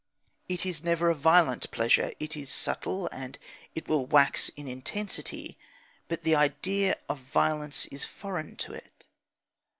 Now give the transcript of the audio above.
It is never a violent pleasure. It is subtle, and it will wax in intensity, but the idea of violence is foreign to it.